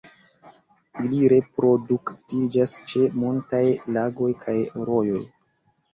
Ili reproduktiĝas ĉe montaj lagoj kaj rojoj.